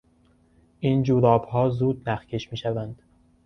این جورابها زود نخکش میشوند.